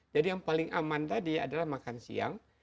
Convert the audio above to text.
jadi yang paling aman tadi adalah makan siang